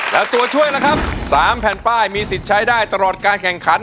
และตัวช่วยล่ะครับ๓แผ่นป้ายมีสิทธิ์ใช้ได้ตลอดการแข่งขัน